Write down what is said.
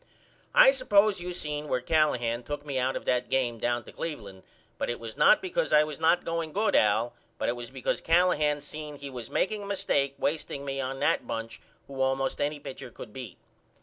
I suppose you seen where Callahan took me out of that game down to Cleveland but it was not because I was not going good Al but it was because Callahan seen he was makeing a mistake wasteing me on that bunch who allmost any pitcher could beat.